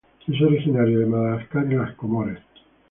Es originario de Madagascar y las Comores.